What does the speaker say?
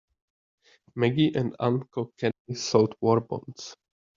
Maggie and Uncle Kenny sold war bonds.